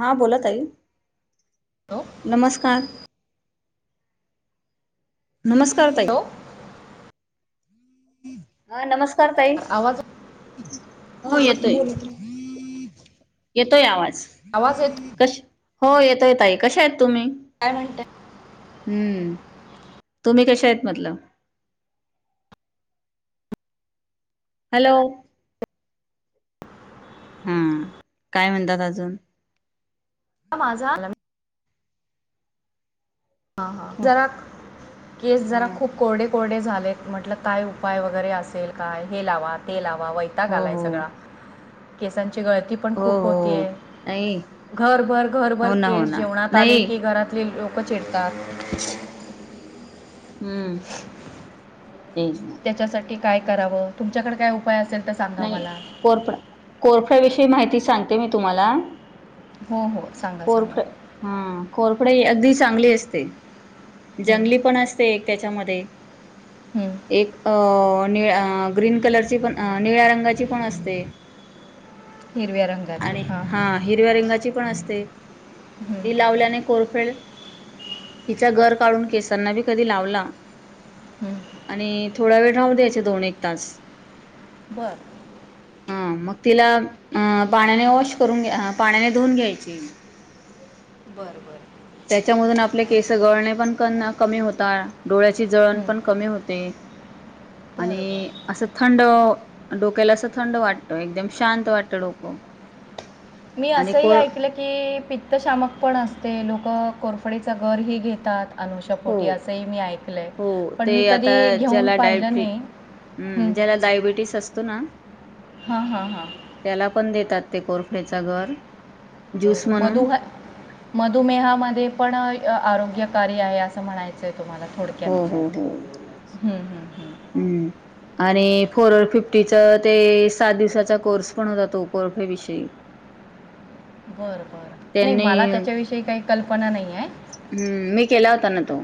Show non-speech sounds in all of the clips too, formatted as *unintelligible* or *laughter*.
हा बोलत आई हॅलो नमस्कार नमस्कार ताई हॅलो हा नमस्कार ताई आवाज हो येतोय येतोय आवाज आवाज येतो कश हो येतोय ताई कशा आहेत तुम्ही काय म्हणता हम्म तुम्ही कशा आहेत म्हटलं हॅलो हा काय म्हणतात अजून ह माझा जरा केस हा जरा खूप कोरडे कोरढे झालेत म्हटलं काय उपाय वगैरे असेल काय हे लावा ते लावा वैताग हो आलाय हो सगळा हा केसांची गळती पण हो खूप हो होतीय नाही घरभर घरभर हो ना हो केस ना जेवणात आले नाही की घरातले लोक चिरतात *inaudible* हम्म तेच ना त्याच्यासाठी काय करावं तुमच्याकडे काय उपाय असेल तर सांगा नाही मला कोरपड कोरपड्या विषयी माहिती सांगते मी तुम्हाला हो हो सांगा सांगा कोरट कोरपडे अगदी चांगली असते हं, जंगली पण असते एक त्याच्यामध्ये. हं. एक नि ग्रीन कलरची पण. निळ्या रंगाची पण असते. हिरव्या रंगाची आणि हां हां हा हिरव्या रिंगाची पण असते. हं, ती लावल्याने कोरफेळ तिच्या घर, काढून केसांनाी कधी लावला हं. आणि थोडा वेळ रा दोन एक त मग तास बरं मग तिला अ पाण्याने वॉश करून घ्या पाण्याने धुवून घ्यायची. बरं बर. त्याच्यामधून आपले केस गळणे पण कमी होतात. डोळ्याची जळण हं, पण कमी होते बरं बरं आणि असं थंड. डोक्याला असं थंड वाटतं एकदम शांत वाटत डोकं. मी आणि असंही कोर ऐकलं की पित्त शामक पण असत. ते लोकं कोरफडीचं घरही घेतात. अनुषा हो पोटी असंही मी ऐकलंय हो पण मी ते कधी घेऊन पाहिलं नाही. हम्म ज्याला डायबिटीस असतो ना. हा हा हा ात ते कोरफेडच गर ज्यूस म्हणून मधु मधुमेहामध्ये पण आरोग्य. कार्य आहे असं म्हणायचंय तुम्हाला थोडक्यात. हो हो हो हम्म आणि फोर फिफ्टीचा ते सात दिवसाचा कोर्स पण होत तो कोरफेविषयी. *unintelligible* ब बर नाही त्यांनी मला त्याच्याविषयी काही कल्पना नाही आहे. हम्म मी केला होता ना तो.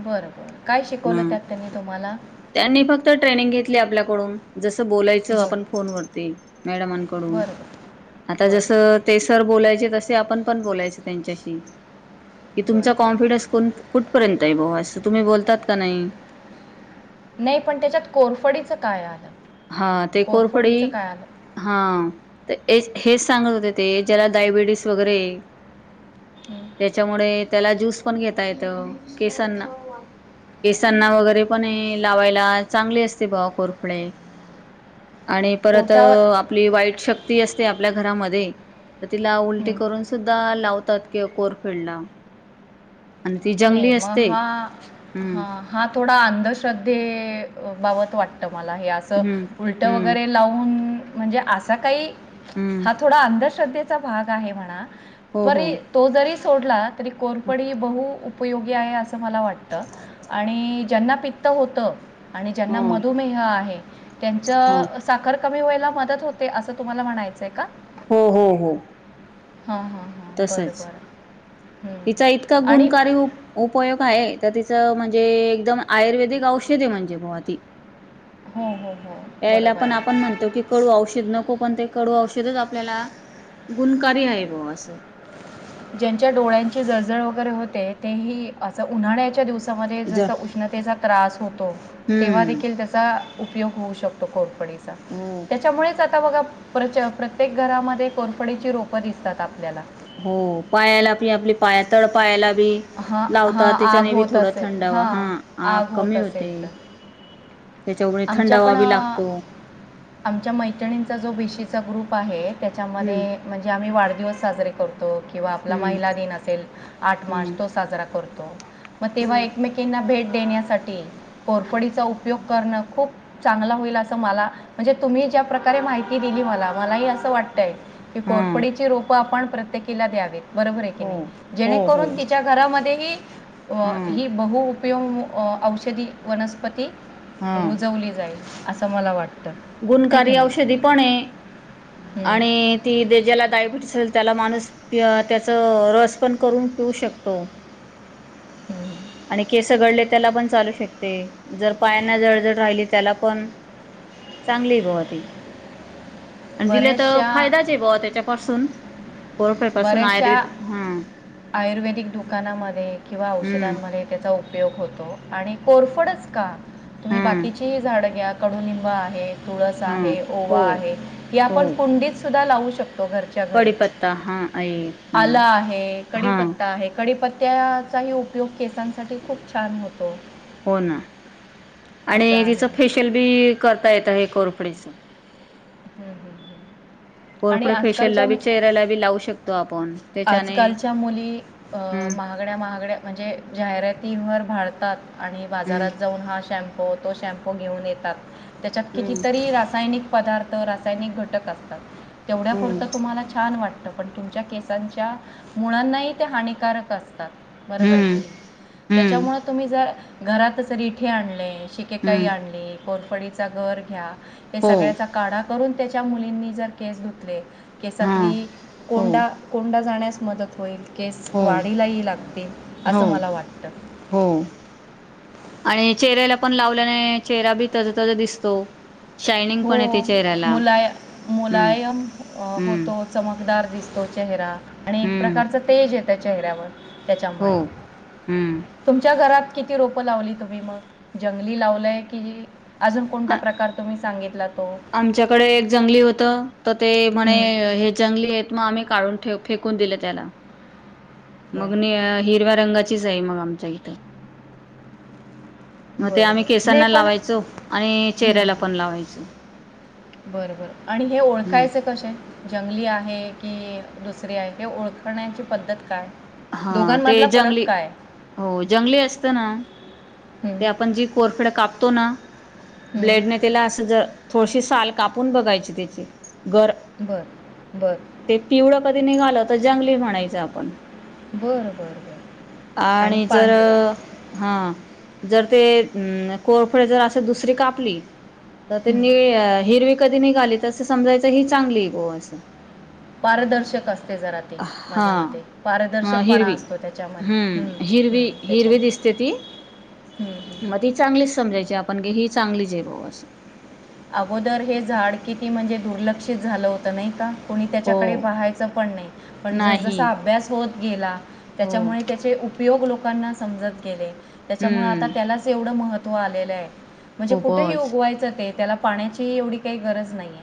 बरं बरं काय शिकवलं हा त्यात त्यांनी तुम्हाला. त्यांनी फक्त ट्रेनिंग घेतली आपल्याकडून. जसं बोलायचं बरं आपण फोनवरती मॅडमांकडून. बरं बरं आता बरं जस ते सर बोलायचे तस. आप पण बोलायच त्यांच्याशी की तुमचा बरं बरं कॉन्फिडन्स कुठपर्यंत आहे. तुम्ही बोलतात का नाही नाही पण त्याच्यात कोरफडीचं काय आलं. हा ते कोरफडी कोरफडीचं काय आलं हा ते ए. हेच सांगत होते ते ज्याला डायबिटीस वगैरे हं. त्याच्यामुळे. त्याला ज्यूस पण घेता येत केसनना. केसांना वगैरे पण लावायला चांगले असते बावा कोरफडे. आणि परत पोटावर आपली वाईट शक्ती असते आपल्या घरामध्ये. तर तिला उलटी हं. करून सुद्धा लावतात किवा कोरफेडला. आणि ती नाही जंगली मग असते हा हम्म हा हा थोड. थोडा अंधश्रद्धे बाबत वाटतं मला हे असं हम्म उलट हम्म वगैरे लावून. म्हणजे असा काही हम्म हा थोडा अंधश्रद्धेचा भाग आहे म्हणा. हो हो री तो जरी सोडला तरी ह कोरपडी बहु. उपयोगी आहे असं मला वाटतं आणि ज्यांना पित्त होतं. आणि ज्यांना हम्म मधुमेह आहे त्यांच हम्म साखर. कमी व्हायला मदत होते असं तुम्हाला म्हणायचंय का. हो हो हो. हां हां हां बरं तसच बरं हं. तिचा इतका आणि गुणकारी उ उपयोग आहे. तर तिचं म्हणजे एकदम आयुर्वेदिक औषधे म्हणजे बवा ती. हो, हो, हो. यायला बरोबर पण आहे. आपण म्हणतो कि कडू औषध नको पण ते कडू औषध. श आपल्याला गुणकारी आहे भा असं. ज्यांच्या डोळ्यांची जळजळ वगैरे होते तेही असं उन्हाळ्याच्या दिवस म ज जसा उष्णतेचा त्रास होतो तेव्हा हम्म देखील त्याचा उपयोग होऊ शकतो खूप हो त्यांच्यामुळेच आता बघा प्र प्रत्येक घरामध्ये कोरफडीची रोपं दिसतात आपल्याला हो पायाला आप आपली पाया तळ पायाला हां, लावता हां, त्याच्याने आग बी होत थोडा असेल थंडावा हां, हा आ आग होत कमी होते असेल तर. त्याच्यामुळे आमच्या थंडावा पण बी लागतो आमच्या मैत्रिणींचा जो बिशीचा ग्रुप आहे हम्म त्यांच्यामध्ये म्हणजे आम्ही वाढदिवस साजरे करत किंवा आपला हम्म महिला दिन असेल आठ मार्च हम्म तो साजरा करतो मग तेव्हा हम्म एकमेना भेट देण्यासाठी हम्म कोरपडीचा उपयोग करने खूप चांगला होईल असं मला म्हणजे तुम्ही ज्या प्रकारे माहिती दिली मला मलाही असं वाटतय की हा. कोरपडीची रोप आपण प्रत्येकीला द्यावीेत बरोबर आहे की हो नाही? हो हो. जेणेकरून तिच्या घरामध्येही हम्म ही बहु उपयोग औषधी वनस्पती हा रुजवली जाईल, असं मला वाटतं. आहे की गुणकारी नाही औषधीपण आहे हम्म, आणि ती जेला डायबिटीस अस त्याला माणूस, त्याचं रसपण करून पिऊ शकतो. हम्म. आणि केस गडले त्याला पण चालू शकते. जर पायांना जळजळ राहिली त्याला पण चांगली आहे बुवा ती. आणि दिलं तर बऱ्याचशा फायदाच आहे बुवा त्याच्यापासून. कोरफड पासून बऱ्याचशा आयुर्वेद हा आयुर्वेदिक दुकानामध्ये किंवा हम्म औषधांमध्ये त्यांचा उपयोग होतो. आणि कोरफडच का तुम्ही हम्म बाकीचीही झाडं घ्या कडुलिंब आहे, तुळस हम्म आहे, ओवा हो आहे हे आपण हो. कुंडीतसुद्धा लावू शक तो घरच्या घरी. कडीपत्ता हा आहे हम्म आला आहे, हा कडीपत्ता आहे, कडीपत्ता त्याचाही उपयोग केसांसाठी खूप छान होतो. हो ना. असं आणि आहे तिचं फेशियलबी करता येतं, हे कोरफडीचं. हं हं हं. आणि कोरफड आजकालच्या फेशियलला बी चेहऱ्याला बी लावू शकतो आपण त्याच्याने आजकालच्या मुली अ हम्म महागड्या महागड्या म्हणजे जाहिरातीवर भाळतात आणि हम्म बाजारात जाऊन हा शॅम्प म्पू तो शॅम्पू घेऊन येतात. त्याच्यात हम्म कितीतरी रासायनिक पदार्थ त रासायनिक घटक असतात. तेवढ्या हम्म पुरतं तुम्हाला छान वाटतं. पण तुमच्या केसांच्या मुळांनाही ते हानिकारक अस तात. बरोबर आहे की. हम्म हम्म त्याच्यामुळे तुम्ही जर घरातच रिठे आणले शिकेकाई हम्म आणली, कोरफडीचा घर घ्या. हे हो सगळ्याचा काढा करून त्याचा मुलींनी जर केस धुतले, हां केसातली हो कोंडा कोंडा जाण्यास मदत होईल, केस हो वाढीलाही लागतील, हो असं मला वाटतं. हो आणि चेहऱ्यालापण लावल्याने, चेहरा बी तजतज दिसतो. शायनिंग हो पण येते चेहऱ्याला मुलाय हम्म मुलायम अ हम्म होतो, चमकदार. दिसतो चेहरा आणि एक हम्म प्रकारचं तेज यतं चेहऱ्यावर हो त्यांच्यामुळे. हम्म तुमच्या घरात किती रोप लावली तुम्ही मग? जंगली लावलाय की, अजून कोण प्रकार तुम्ही सांगितलात? आमच्याकडे एक जंगली होतं, तर ते म्हणे हं, हे जंगली हायत मग आम्ही काढून फेकून दिलं त्याला. बरं मग नि हिरव्या रंगाचीच आहे, मग आमच्या इथं. मग ते बरं आम्ही बरं नाही केसांना पण लावायचो आणि चेहऱ्याला पण लावायचो. बरबर आणि हे हम्म ओळखायचं कसे, जंगली आहे हे की दुसरी आहे हे ओळखण्याची पद्धत काय? हा ते दोघांमधला फरक जंगली काय हो जंगली असतं ना ते हं, आपण जी कोरफड कापतो ना, हं. ब्लेडने त्याला अस थोडीशी साल कापून बघायची त्याची. गर बरं बरं ते पिवळ कधी निघालं, तर जंगली म्हणायचं आपण. बर बर बर. आणि जर हा जर ते अं कोरफड जर असं दुसरी कापली, तर ते हं. नि हिरवी कधी निघाली, तर असं समजायचं ही चांगली आहे गो असं. पारदर्शक अस ते जरा ती माझ्या हां मते. पारदर्शकपणा हिरवी असतो त्याच्यामध्ये, हं हं त्याच्या ते ती. मग ती चांगलीच समजायची आपण, की ही चांगलीच आहे भाऊ असं. अगोदर हे झाड किती म्हणजे दुर्लक्षित झालं होतं नाही का? कोणी त्याच्याकडे हो पाहायचं पण नाही, पण नाही जसजसा अभ्यास होत गेला हो त्याच्यामुळे त्याचे उपयोग लोकांना समजत गेले त्याच्यामुळे आता हम्म त्यालाच एवढं महत त आलेला आहे म्हणजे कुठेही खूपच उगवायचं ते त्याला पाण्याची एवढी काही गरज नाहीय.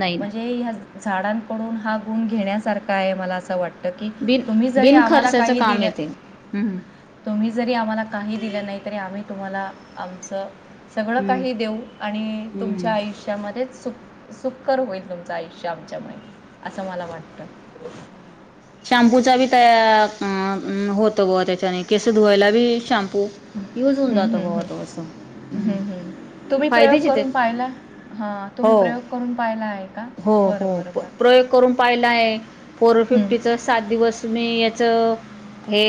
नाही ना म्हणजे ह झाडांकडून हा गुण घेण्यासारखा आहे मला असं वाटतं. क बिन तुम्ही जरी आम्हाला बिनखर्चाचं काही काम दिलं येते हम्म तुम्ही. जरी आम्हाला काही दिलं नाही तरी आम्ही तुम्हाला आमचं सगळं हम्म काही देऊ आणि तुमच्या हम्म आयुष्यामध्येच सुख सुखकर होईल तुमचं आयुष्य आमच्यामुळे असं मला वाटतं. शॅम्पूचा बी तयार आ ह होत बुवा त्याच्याने केस धुवायला बी शॅम्पू के यज होऊन हम्म, जात हम्म, बुवा हम्म. तो असं हम्म, हम्म. तुम्ही प्रयोग फायद्याचे करून तेच पाहिला हां तुम्ही हो प्रयोग करून पाहिला आहे का हो हो बरं बरं प्र बरं प्रयोग करून पाहिलाय पोर फिफ्टी हम्म, फिफ्टी च सात दिवस मी याच. हे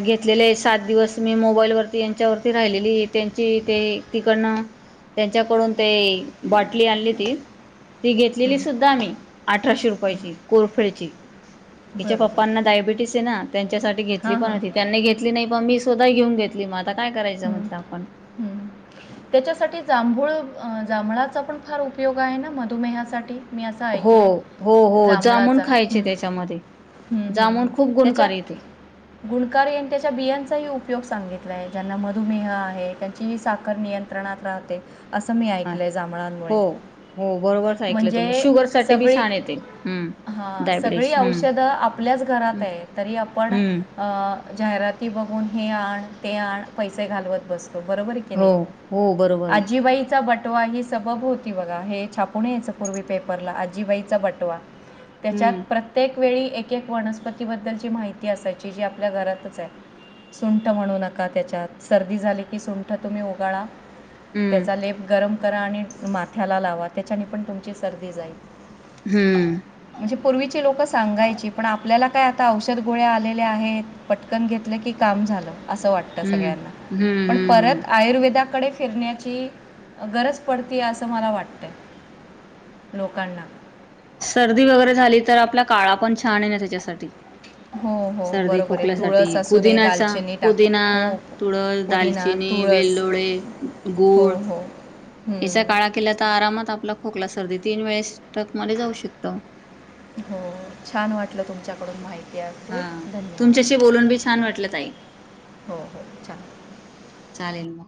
घेतलेले आहे, सात दिवस मी मोबाईल वरती यांच्यावरती राहिलेली त्यांची ते ति कट त्यांच्याकडून ते ब्याटली आणलीती. ती घेतलेली हम्म, सुद्धा आम्ही अठराशे हम्म. रुपयाची कोरफेडची. तिच्या बरं पप्पांना बरं डायबिटीस आहे, ना त्यांच्यासाठी घेतली हां पण हां होती, त्यांनी घेतली नाही पण मी घेऊन घेतली माझ. ह ह त्याच्यासाठी जांभूळ अ जांभळाचा पण फार उपयोग आहे, ना मधुमेहासाठी. मी असं हो ऐकलं हो हो आहे जामन जांभळाचा खायचे हम्म. त्याच्यामध्ये. जामुन खूप गुणकार येते. गुणकार यांनी त्याच्या बियांचाही उपयोग सांगितला. ज्यांना मधुमेह आहे, त्यांची साखर नियंत्रणात राहते. असं मी ह ऐकलंय जांभळांमुळे. हो हो बरोबर ऐकलं तुम्ही म्हणजे शुगर साठी बी सगळी छान येते. हां सगळी डायबिटीस औषधं हम्म आपल्याच घरात आहे, तरी आपण हम्म अ जाहिराती बघून हे आण ते आण पैसे घालवत बसतो. बरोबर की हो नाही हो बरोबर आहे आजीबाईचा बट बटवा ही सबब होती, बघा हे छापून यायचं पूर्वी पेपरला आजीबाईचा बटवा. त्याच्यात हम्म प्रत्येक. एक वेळी एकक वनस्पतीबद्दलची माहिती असायची जी आपल्या घरातच आहे. सुंठ म्हणू नका त्याच्यात सर्दी झाली की सुंठ तुम्ही उगाळा. हम्म त्याचा लेप गरम करा आणि माथ्याला लावा त्याच्याने पण तुमची सर्दी जाईल. हम्म म्हणजे पूर्वीची लोक सांगायची पण आपल्याला काय आता औषध गोळ्या आलेल्या आहेत पटकन घेतलं की, काम झालं असं वाटतं. हम्म सळ्यां हम्म पण हम्म हम्म परत आयुर्वेदाकडेच फिरण्याची गरज पडते असं मला वाटतंय. लोकांना. सर्दी वगैरे झाली तर आपला काळा पण छान आहे, ना त्याच्यासाठी. हो, हो, सर्दी बरोबर आहे. खोकल्यासाठी तुळस असू दे, कुदिनाचा दालचिनी टाकू पुुदिना, हो, तुळस, पुदिना, दालचिनी तुळस. वेलदोडे हो, गूळ. हो. याचा हं. काळा केला तर आरामात आपला खोकला सर्दी तीन वेळेस टक मध्ये जाऊ शकतो. हो छान वाटलं तुमच्याकडून माहिती हा आयकुन धन्यवाद तुमच्याशी बोलून बी छान वाटलं ताई हो हो छान. चालेल मग.